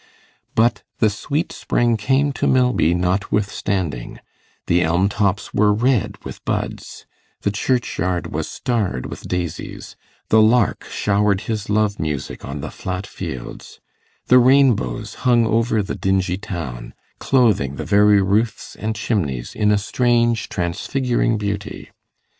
But the sweet spring came to Milby notwithstanding: the elm tops were red with buds; the churchyard was starred with daisies; the lark showered his love music on the flat fields; the rainbows hung over the dingy town, clothing the very roofs and chimneys in a strange transfiguring beauty.